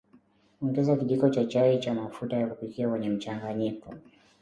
Ongeza kijiko cha chai cha mafuta ya kupikia kwenye mchanganyiko